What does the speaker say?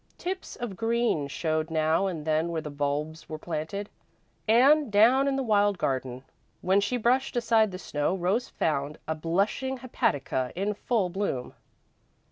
Tips of green showed now and then where the bulbs were planted, and, down in the wild garden, when she brushed aside the snow, Rose found a blushing hepatica in full bloom.